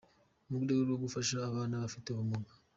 mu rwego rwo gufasha abana bafite ubumuga.